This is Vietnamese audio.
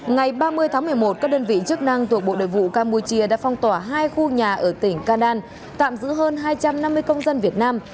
ngày ba mươi tháng một mươi một các đơn vị chức năng thuộc bộ đội vụ campuchia đã phong tỏa hai khu nhà ở tỉnh canan tạm giữ hơn hai trăm năm mươi công dân việt nam